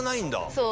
そう。